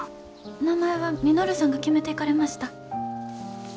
名前は稔さんが決めていかれました。